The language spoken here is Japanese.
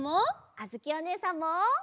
あづきおねえさんも。